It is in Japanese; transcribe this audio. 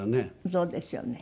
そうですよね。